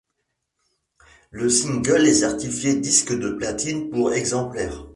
Le single est certifié disque de platine pour exemplaires.